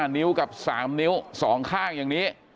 นิ้วกับ๓นิ้ว๒ข้างอย่างนี้